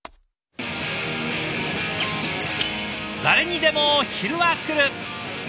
誰にでも昼はくる。